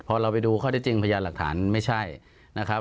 พอเราไปดูข้อได้จริงพยานหลักฐานไม่ใช่นะครับ